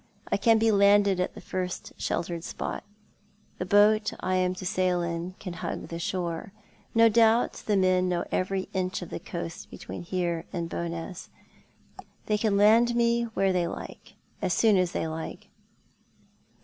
I can be landed at the first sheltered spot ; the boat I am to sail in can hug the shore. No doubt the men know every inch of the coast between here and Bowness. They can land me where they like, and as soon as they like."